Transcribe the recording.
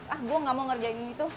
ah saya tidak mau bekerja ini